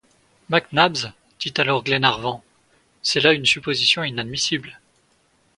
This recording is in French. Mac Nabbs, dit alors Glenarvan, c’est là une supposition inadmissible.